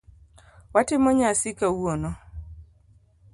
Watimo nyasi kawuono.